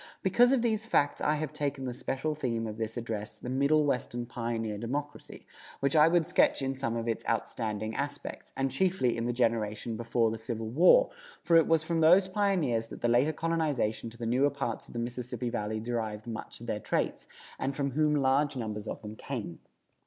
Because of these facts I have taken as the special theme of this address the Middle Western Pioneer Democracy, which I would sketch in some of its outstanding aspects, and chiefly in the generation before the Civil War, for it was from those pioneers that the later colonization to the newer parts of the Mississippi Valley derived much of their traits, and from whom large numbers of them came.